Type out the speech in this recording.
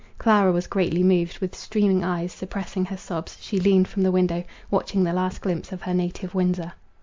Clara was greatly moved; with streaming eyes, suppressing her sobs, she leaned from the window, watching the last glimpse of her native Windsor.